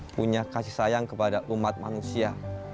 punya kasih sayang kepada umat manusia